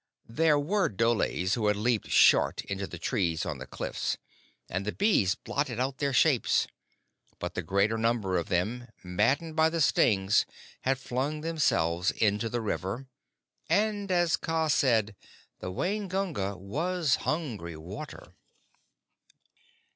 There were dholes who had leaped short into the trees on the cliffs, and the bees blotted out their shapes; but the greater number of them, maddened by the stings, had flung themselves into the river; and, as Kaa said, the Waingunga was hungry water.